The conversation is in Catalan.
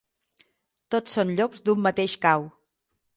Tots són llops d'un mateix cau.